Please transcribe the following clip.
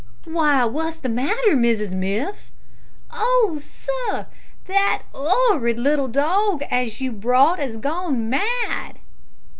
"Why, what's the matter, Mrs Miff?" "Oh, sir! that 'orrid little dog as you brought 'as gone mad!"